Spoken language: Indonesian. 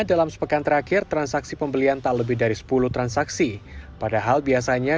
dalam sepekan terakhir transaksi pembelian tak lebih dari sepuluh transaksi padahal biasanya